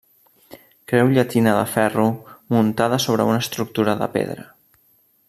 Creu llatina de ferro muntada sobre una estructura de pedra.